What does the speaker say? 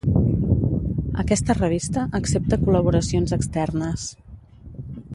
Aquesta revista accepta col·laboracions externes.